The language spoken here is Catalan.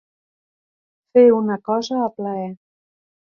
Fer una cosa a plaer.